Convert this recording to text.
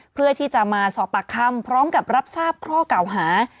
เพื่อที่จะมาสอบปากคำพร้อมกับรับทราบข้อเก่าหา